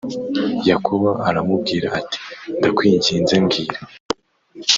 Yakobo aramubwira ati Ndakwinginze mbwira